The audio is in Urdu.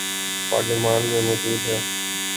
پارلیمان بھی موجود ہے۔